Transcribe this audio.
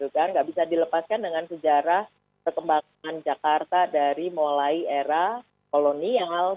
tidak bisa dilepaskan dengan sejarah perkembangan jakarta dari mulai era kolonial